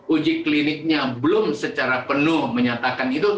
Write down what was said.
uji kliniknya belum secara penuh menyatakan itu